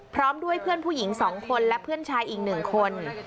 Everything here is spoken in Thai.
พร้อมด้วยเพื่อนผู้หญิง๒คนและเพื่อนชายอีก๑คน